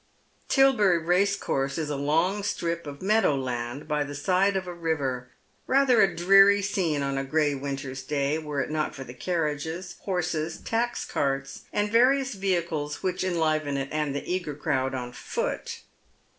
Tilberry racecourse is a long strip of meadow land by the side of a river, rather a dreary scene on a gray winter's day, were it not for tlie carriages, horses, tax carts, and various vehicles whiclr ♦tnliven it, and the eager crowd on foot.